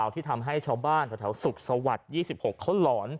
ที่ทำให้ชาวบ้านแถวสุขสวัสดิ์๒๖เขาหลอน